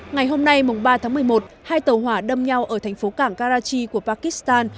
ngày hôm nay ba tháng một mươi một hai tàu hỏa đâm nhau ở thành phố cảng garachi của pakistan